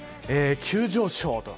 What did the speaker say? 急上昇と。